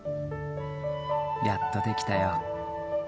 やっと出来たよ。